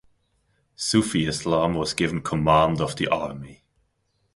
Sufi Eslam was given command of the army.